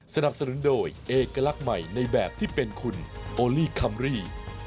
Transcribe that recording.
สนับสนุนโดยเอกลักษณ์ใหม่ในแบบที่เป็นคุณโอลี่คัมรี่